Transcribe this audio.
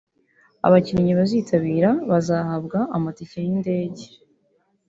Abakinnyi bazitabira bazahabwa amatike y’indege